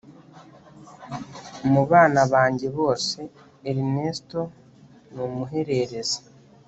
mu bana banjye bose, ernesto ni umuhererezi